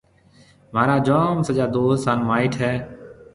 مهارا جوم سجا دوست هانَ مائيٽ هيَ۔